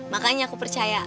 makanya aku percaya